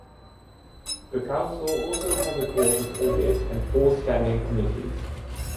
The council also has a court of audit and four standing committees.